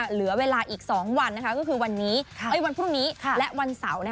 เหลือเวลาอีก๒วันนะคะก็คือวันพรุ่งนี้และวันเสาร์